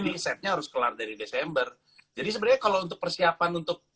april kan jadi setnya harus kelar dari desember jadi sebenarnya kalau untuk persiapan untuk